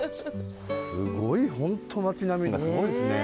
すごい本当町並みがすごいですね。ね。